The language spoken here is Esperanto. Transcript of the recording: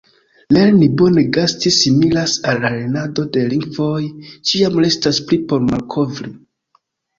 Lerni bone gasti similas al la lernado de lingvoj; ĉiam restas pli por malkovri.